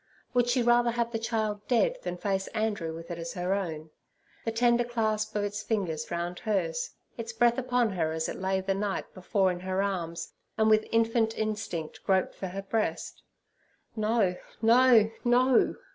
Would she rather have the child dead than face Andrew with it as her own? The tender clasp of its fingers round hers; its breath upon her as it lay the night before in her arms, and with infant instinct groped for her breast—no, no, no!